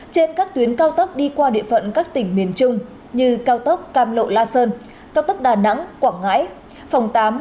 trên các tuyến cao tốc đi qua địa phận các tỉnh miền trung như cao tốc cam lộ la sơn cao tốc đà nẵng quảng ngãi phòng tám